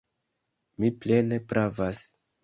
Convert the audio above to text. Vi plene pravas.